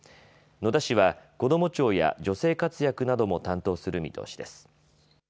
野田氏はこども庁や女性活躍なども担当する見通しです。